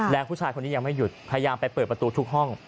แล้วผู้ชายคนนี้ยังไม่หยุดพยายามไปเปิดประตูทุกห้อง